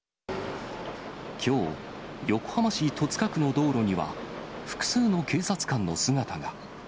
きょう、横浜市戸塚区の道路には、複数の警察官の姿が。